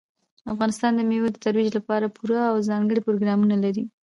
افغانستان د مېوو د ترویج لپاره پوره او ځانګړي پروګرامونه لري.